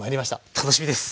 楽しみです。